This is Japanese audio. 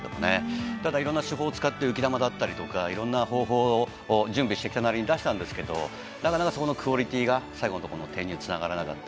ただ、いろいろな手法を使って浮き球とかいろんな方法を準備してきたものを出したんですがなかなかクオリティーが最後の点につながらなかった。